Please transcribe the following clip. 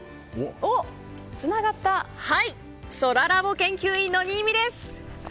そらラボ研究員の新美です。